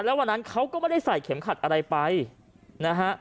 แล้ววันนั้นเขาก็ไม่ได้ใส่เข็มขัดอะไรไปนะฮะ